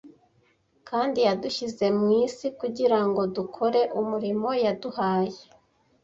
kandi yadushyize mu isi kugira ngo dukore umurimo yaduhaye.